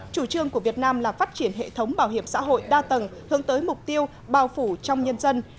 chủ trương của việt nam là phát triển hệ thống bảo hiểm xã hội đa tầng hướng tới mục tiêu bào phủ trong nhân dân